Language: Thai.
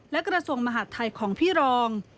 และกระทรวงมหาดไทยของพี่รอง